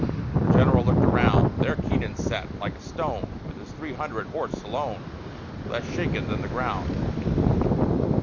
The general looked around. There Keenan sat, like a stone, With his three hundred horse alone, Less shaken than the ground.